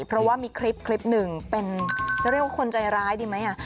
เพราะว่ามีคลิปหนึ่งเป็นจะเรียกว่าคนใจร้ายดีไหม